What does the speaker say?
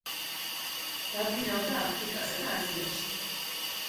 დაფრინავდა აფრიკასა და აზიაში.